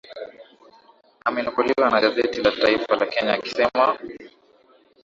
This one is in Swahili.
amenukuliwa na gazeti la Taifa la Kenya akisema